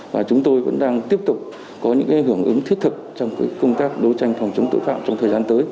và chúng tôi vẫn đang tiếp tục có những hưởng ứng thiết thực trong công tác đấu tranh phòng chống tội phạm trong thời gian tới